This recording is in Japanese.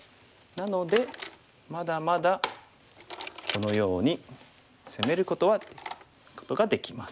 なのでまだまだこのように攻めることができます。